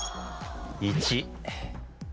１。